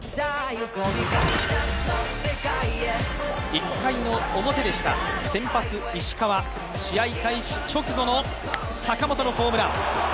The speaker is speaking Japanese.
１回表でした先発・石川、試合開始直後の坂本のホームラン。